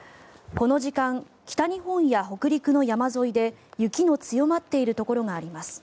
この時間北日本や北陸の山沿いで雪の強まっているところがあります。